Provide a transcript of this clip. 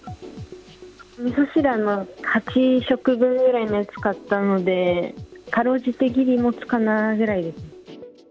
みそ汁、８食分ぐらいのやつ買ったので、かろうじて、ぎりもつかなぐらいです。